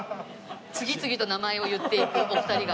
次々と名前を言っていくお二人が。